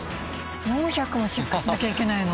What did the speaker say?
４００もチェックしなきゃいけないの？